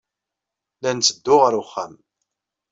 La netteddu ɣer wexxam.